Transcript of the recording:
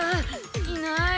いない。